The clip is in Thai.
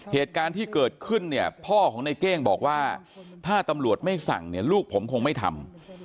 เหตุการณ์ที่เกิดขึ้นเนี่ยพ่อของในเก้งบอกว่าถ้าตำรวจไม่สั่งเนี่ยลูกผมคงไม่ทำ